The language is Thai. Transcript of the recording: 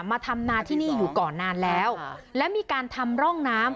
มาทำนาที่นี่อยู่ก่อนนานแล้วและมีการทำร่องน้ำ